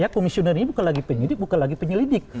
komisioner ini bukan lagi penyidik bukan lagi penyelidik